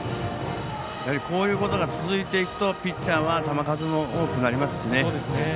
こういうことが続いていくとピッチャーは球数も多くなりますしね。